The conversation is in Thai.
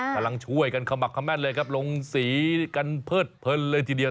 กำลังช่วยกันขมักคำแม่นเลยครับลงสีกันเพิดเพลินเลยทีเดียว